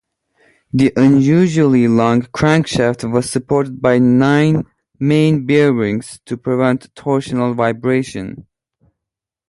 The unusually long crankshaft was supported by nine main bearings to prevent torsional vibration.